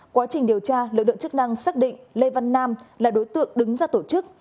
quá trình điều tra lực lượng chức năng xác định lê văn nam là đối tượng đứng ra tổ chức